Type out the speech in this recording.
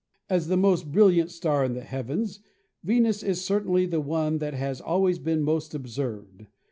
As the most brilliant star of the heavens, Venus is cer tainly the one that has always been most observed.